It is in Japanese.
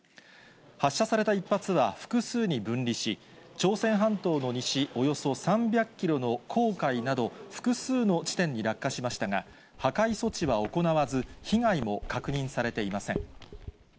発射された１発は複数に分離し、朝鮮半島の西およそ３００キロの黄海など複数の地点に落下しましたが、破壊措置は行わず、被害も確認されていません。